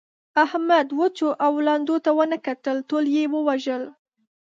احمد وچو او لندو ته و نه کتل؛ ټول يې ووژل.